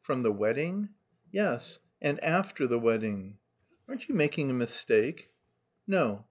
"From the wedding?" "Yes, and after the wedding." "Aren't you making a mistake?" "No.